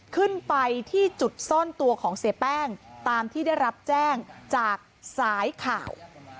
ขึ้นไปที่จุดซ่อนตัวของเสียแป้งตามที่ได้รับแจ้งจากสายข่าว